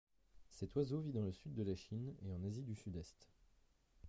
Cet oiseau vit dans le sud de la Chine et en Asie du Sud-Est.